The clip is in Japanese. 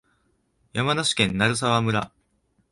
山梨県鳴沢村